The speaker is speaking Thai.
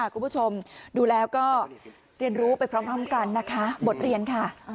คุณผู้ชมดูแล้วก็เรียนรู้ไปพร้อมกันนะคะบทเรียนค่ะ